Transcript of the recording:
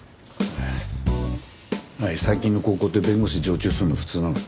最近の高校って弁護士常駐するの普通なの？